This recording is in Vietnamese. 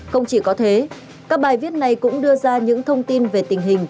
không chỉ có thế các bài viết này cũng đưa ra những thông tin về tình hình